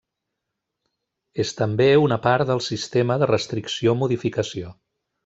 És també una part del sistema de restricció-modificació.